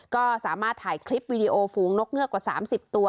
ก็สามารถถ่ายคลิปวิดีโอฝูงนกเงือกกว่า๓๐ตัว